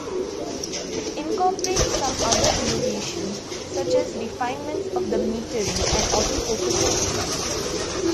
It incorporates some other innovations such as refinements of the metering and autofocus systems.